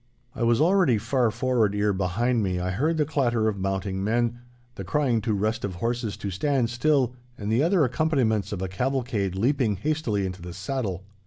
I was already far forward ere behind me I heard the clatter of mounting men, the crying to restive horses to stand still, and the other accompaniments of a cavalcade leaping hastily into the saddle.